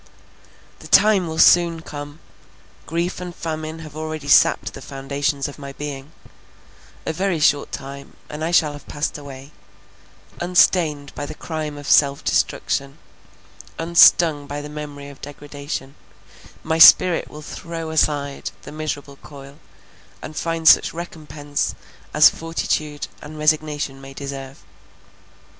The time will soon come; grief and famine have already sapped the foundations of my being; a very short time, and I shall have passed away; unstained by the crime of self destruction, unstung by the memory of degradation, my spirit will throw aside the miserable coil, and find such recompense as fortitude and resignation may deserve.